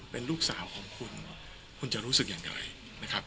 เป็นลูกสาวของคุณคุณจะรู้สึกอย่างไรนะครับ